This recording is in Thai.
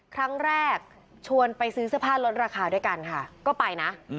ชวนไปซื้อเสื้อผ้าลดราคาด้วยกันค่ะก็ไปนะ